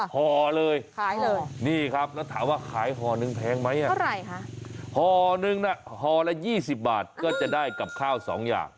ห่อเลยนี่ครับแล้วถามว่าขายห่อนึงแพงไหมห่อหนึ่งห่อละ๒๐บาทก็จะได้กับข้าว๒อย่าง